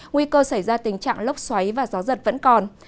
nguy cơ xảy ra tình trạng lốc xoáy và gió giật vẫn còn